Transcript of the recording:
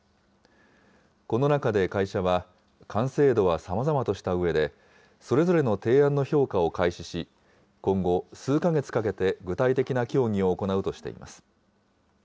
この中で会社は、完成度はさまざまとしたうえで、それぞれの提案の評価を開始し、今後、数か月かけて具体的な協議を行うとしています。